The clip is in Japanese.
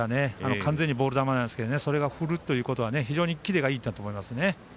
完全にボール球なんですけどそれを振るということは非常にキレがいいんだと思います。